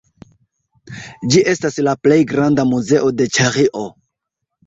Ĝi estas la plej granda muzeo de Ĉeĥio.